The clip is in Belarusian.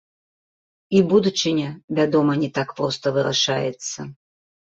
І будучыня, вядома, не так проста вырашаецца.